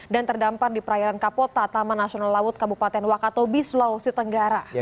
dan terdampar di perairan kapota taman nasional laut kabupaten wakatobi sulawesi tenggara